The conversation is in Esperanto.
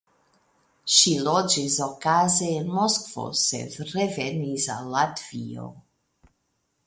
Ŝi loĝis okaze en Moskvo sed revenis al Latvio.